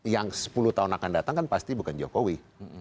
yang sepuluh tahun akan datang kan pasti bukan jokowi